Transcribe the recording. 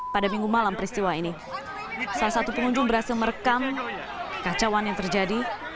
pada minggu malam peristiwa ini salah satu pengunjung berhasil merekam kacauan yang terjadi